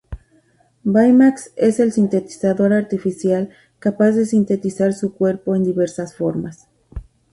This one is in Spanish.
Baymax es un sintetizador artificial capaz de sintetizar su cuerpo en diversas formas.